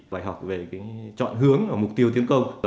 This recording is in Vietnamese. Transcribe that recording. bài học về chọn hướng và mục tiêu tiến công